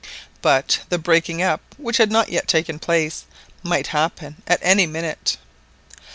But the breaking up, which had not yet taken place, might happen at any minute.